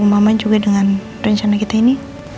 mama juga dengan rencana kita ini